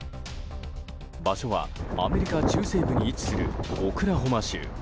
場所はアメリカ中西部に位置するオクラホマ州。